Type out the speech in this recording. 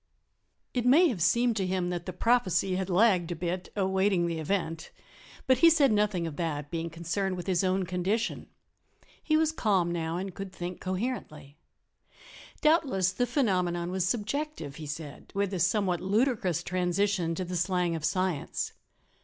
It may have seemed to him that the prophecy had lagged a bit, awaiting the event, but he said nothing of that, being concerned with his own condition. He was calm now, and could think coherently. "Doubtless the phenomenon was subjective," he said, with a somewhat ludicrous transition to the slang of science.